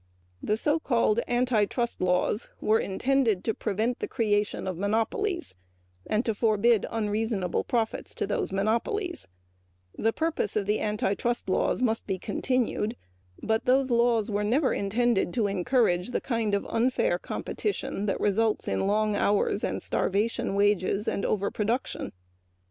The so called anti trust laws were intended to prevent the creation of monopolies. That purpose of the anti trust laws must be continued, but these laws were never intended to encourage the kind of unfair competition that results in long hours, starvation wages and overproduction.